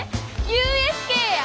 ＵＳＫや！